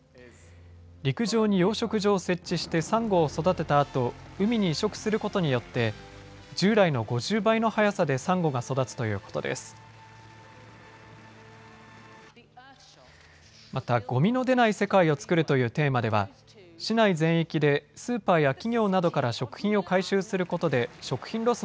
陸上に養殖場を設置してサンゴを育てたあと海に移植することによって従来の５０倍の速さでサンゴが育つということです。